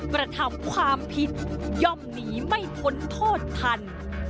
กระทำความผิดย่อมหนีไม่พ้นโทษทัน